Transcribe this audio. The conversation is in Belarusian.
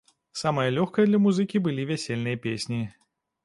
Самае лёгкае для музыкі былі вясельныя песні.